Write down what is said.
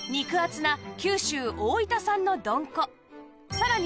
さらに